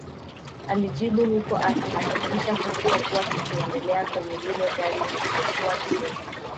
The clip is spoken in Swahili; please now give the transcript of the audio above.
Alijibu huku akihakikisha kilichokuwa kikiendelea kwenye lile gari lililoshushwa kioo